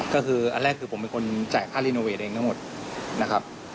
ก็คืออันแรกคือผมเป็นคนจ่ายค่าเนอะหมดนะครับ